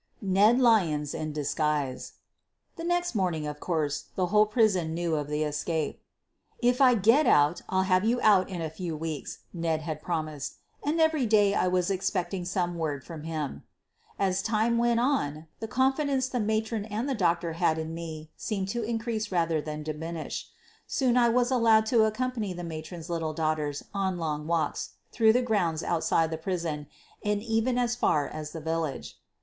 NED LYONS IN DISGUISE The next morning, of course, the whole prison knew of the escape. "If I get out I'll have you out in a few weeks,' f Ned had promised, and every day I was expecting some word from him. As time went on, the confidence the matron and the doctor had in me seemed to increase rather than diminish. Soon I was allowed to accompany the matron's little daughters on long walks through the grounds outside the prison, and even as far as the village.